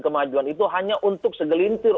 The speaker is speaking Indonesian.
kemajuan itu hanya untuk segelintir